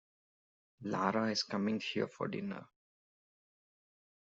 Lara is coming here for dinner.